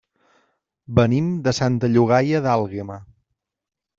Venim de Santa Llogaia d'Àlguema.